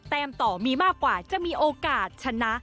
ต่อมีมากกว่าจะมีโอกาสชนะ